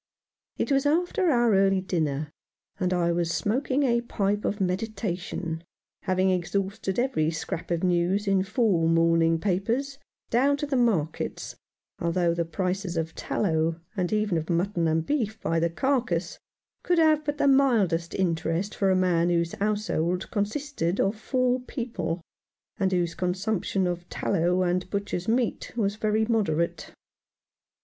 It was after our early dinner, and I was smoking the pipe of meditation, having exhausted every scrap of news in four morning papers — down to the markets, although the prices of tallow, and even of mutton and beef by the carcase, could have but the mildest interest for a man whose household consisted of four people, and whose consumption of tallow and butcher's meat was very moderate.